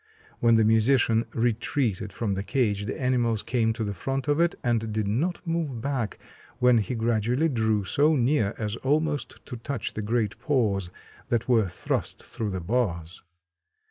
When the musician retreated from the cage the animals came to the front of it and did not move back when he gradually drew so near as almost to touch the great paws that were thrust through the bars.